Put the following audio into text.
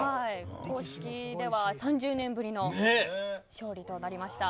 公式では３０年ぶりの勝利となりました。